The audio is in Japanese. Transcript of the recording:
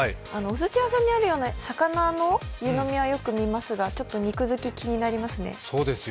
おすし屋さんにあるような魚の湯飲みは、よく見ますがちょっとにくづき、気になりますね。